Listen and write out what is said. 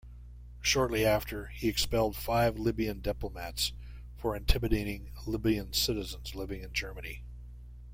Shortly after, he expelled five Libyan diplomats for intimidating Libyan citizens living in Germany.